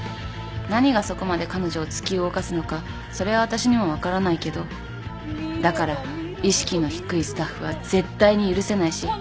何がそこまで彼女を突き動かすのかそれは私にも分からないけどだから意識の低いスタッフは絶対に許せないし。